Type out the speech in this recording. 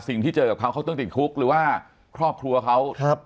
สิ่งที่เจอกับเขาเขาต้องติดคุกหรือว่าครอบครัวเขา